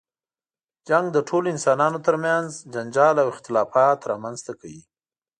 جنګ د ټولو انسانانو تر منځ جنجال او اختلافات رامنځته کوي.